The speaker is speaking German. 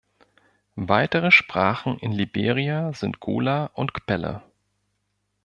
Weitere Sprachen in Liberia sind Gola und Kpelle.